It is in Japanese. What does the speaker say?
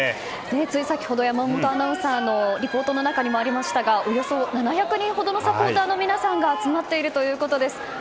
つい先ほど山本アナウンサーのリポートの中にもありましたがおよそ７００人ほどのサポーターの皆さんが集まっているということです。